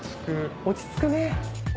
落ち着く。